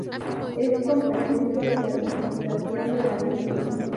Es competencia de la Diputación de Valencia.